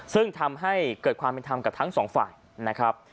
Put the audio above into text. ซึ่งทำให้เกิดความเป็นธรรมกับทั้งสองฝ่ายนะครับ